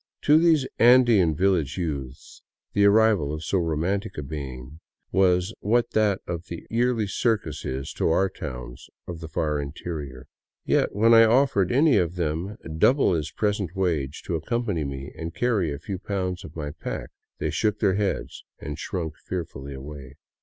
To these Andean village youths the arrival of so romantic a being was what that of the yearly circus is to our towns of the far interior. Yet when I offered any of them double his present wage to accompany me and carry a few pounds of my pack, they shook their heads and shrunk fearfully away.